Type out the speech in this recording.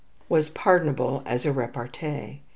was pardonable as a repartee.